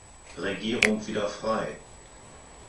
Regierung wieder frei.